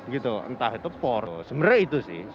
gitu entah itu por sebenarnya itu sih